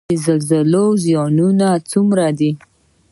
د زلزلو زیانونه څومره دي؟